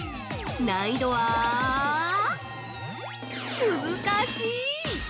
難易度はむずかしい！